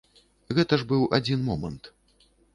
Гэта ж быў адзін момант.